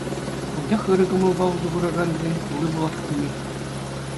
Анчах ырӑ кӑмӑлпа усӑ куракансен кулли пулас килмест...